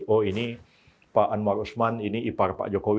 oh ini pak anwar usman ini ipar pak jokowi